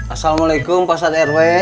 assalamualaikum pak ustadz rw